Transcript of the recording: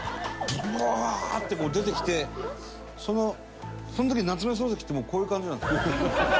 ブワーッてこう出てきてそのその時に夏目漱石ってもうこういう感じなんです。